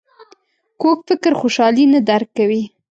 کوږ فکر خوشحالي نه درک کوي